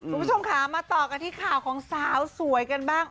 คุณผู้ชมค่ะมาต่อกันที่ข่าวของสาวสวยกันบ้าง